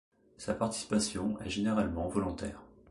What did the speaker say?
Sa participation est généralement volontaire.